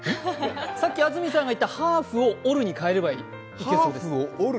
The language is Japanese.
さっき安住さんが言った「ハーフ」を「折る」に変えればいい。